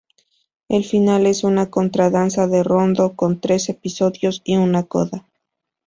El final es una contradanza de rondó con tres episodios y una coda.